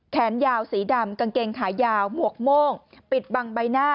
แขนยาวสีดำกางเกงขายาวหมวกโม่งปิดบังใบหน้า